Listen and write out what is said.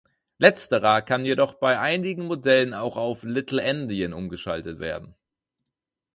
Letzterer kann jedoch bei einigen Modellen auch auf "Little-Endian" umgeschaltet werden.